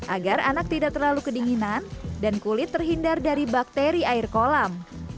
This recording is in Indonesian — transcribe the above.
agar anak tidak terlalu kedinginan dan kulit terhindar dari bakteri air kolam